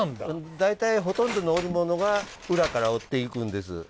大体ほとんどの織物が裏から織っていくんです。